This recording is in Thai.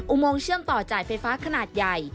โมงเชื่อมต่อจ่ายไฟฟ้าขนาดใหญ่